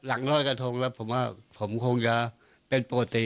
รอยกระทงแล้วผมว่าผมคงจะเป็นปกติ